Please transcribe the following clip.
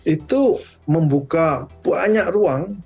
itu membuka banyak ruang